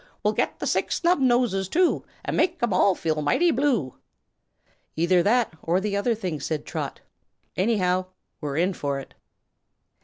We'll get the Six Snubnoses, too, And make'em all feel mighty blue." "Either that or the other thing," said Trot. "Anyhow, we're in for it."